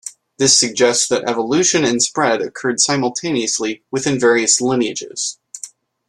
This suggests that evolution and spread occurred simultaneously within various lineages.